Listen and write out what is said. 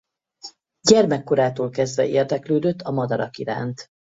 Gyermekkorától kezdve érdeklődött a madarak iránt.